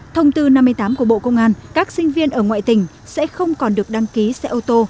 thông tư năm mươi tám của bộ công an các sinh viên ở ngoại tỉnh sẽ không còn được đăng ký xe ô tô